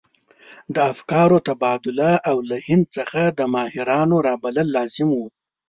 د افکارو تبادله او له هند څخه د ماهرانو رابلل لازم وو.